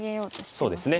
そうですね。